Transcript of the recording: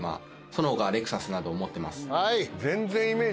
その他レクサスなどを持ってます。